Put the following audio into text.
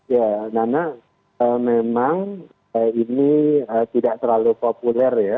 ya nana memang ini tidak terlalu populer ya